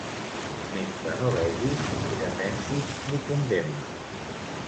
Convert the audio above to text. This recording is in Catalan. Mentre no vegis, ni defensis ni condemnis.